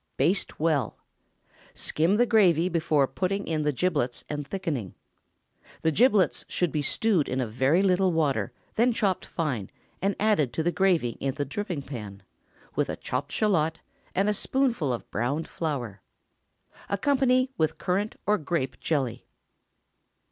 Baste well. Skim the gravy before putting in the giblets and thickening. The giblets should be stewed in a very little water, then chopped fine, and added to the gravy in the dripping pan, with a chopped shallot and a spoonful of browned flour. Accompany with currant or grape jelly.